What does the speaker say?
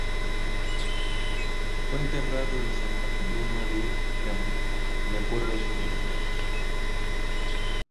Fue enterrado en Santa Coloma de Gramanet de acuerdo a su voluntad.